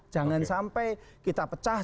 jangan sampai kita pecah